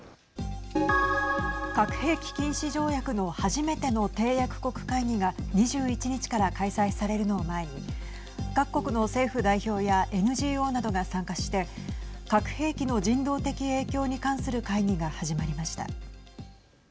核兵器禁止条約の初めての締約国会議が２１日から開催されるのを前に各国の政府代表やＮＧＯなどが参加して核兵器の人道的影響に関する会議が始まりました。